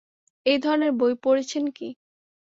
এই ধরণের বই পড়েছেন কি?